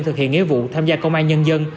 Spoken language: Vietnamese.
thực hiện nghĩa vụ tham gia công an nhân dân